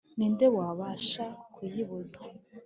ni nde wabasha kuyibuza’